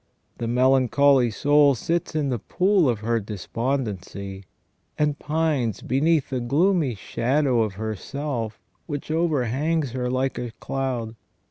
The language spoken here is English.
The melancholy soul sits in the pool of her despondency, and pines beneath the gloomy shadow of her self which overhangs her hke a cloud.